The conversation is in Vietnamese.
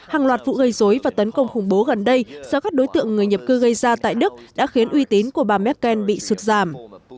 hàng loạt vụ gây dối và tấn công khủng bố gần đây do các đối tượng người nhập cư gây ra tại đức đã khiến uy tín của bà merkel bị sụt giảm